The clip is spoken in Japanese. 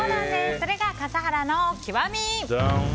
それが笠原の極み。